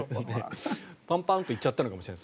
パンパンと行っちゃったのかもしれない。